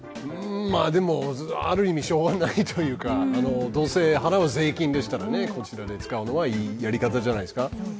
でも、ある意味しょうがないというか、どうせ払う税金でしたらこちらで使うのはいいやり方じゃないですか。